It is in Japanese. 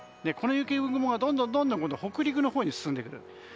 この雪雲がどんどん北陸のほうに進んでくる。